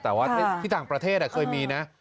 แต่ว่าที่ต่างประเทศเคยมีนะ